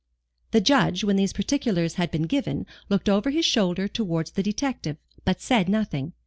The Judge, when these particulars had been given, looked over his shoulder towards the detective, but said nothing.